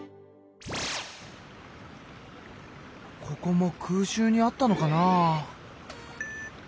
ここも空襲にあったのかなあ。